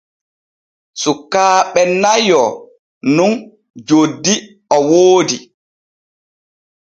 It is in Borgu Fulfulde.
Sukaaɓe nayo nun joddi o woodi.